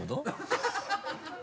ハハハ